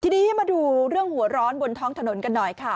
ทีนี้มาดูเรื่องหัวร้อนบนท้องถนนกันหน่อยค่ะ